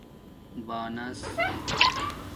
بانس